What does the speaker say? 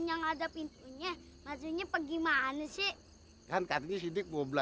yang ada pintunya maksudnya pergi mana sih kan katanya sidik mau belajar